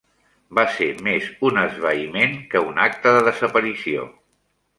Va ser més un esvaïment que un acte de desaparició...